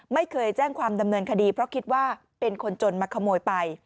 ไม่เคยแจ้งความดำเนินคดีเพราะคิดว่าเป็นคนจนมาขโมยไป